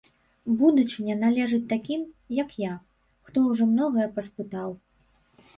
Будучыня належыць такім, як я, хто ўжо многае паспытаў.